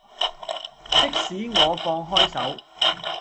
即使我放開手